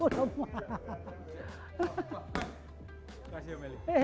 terima kasih om eli